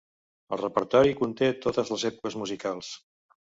El repertori conté totes les èpoques musicals.